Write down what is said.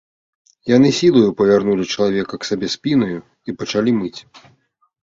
Яны сілаю павярнулі чалавека к сабе спінаю і пачалі мыць.